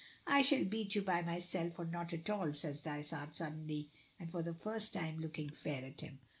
"I shall beat you by myself or not at all," says Dysart suddenly, and for the first time looking fair at him.